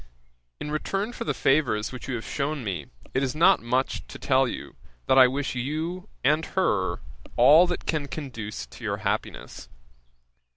In return for the favours which you have shewn me, it is not much to tell you, that I wish you and her all that can conduce to your happiness.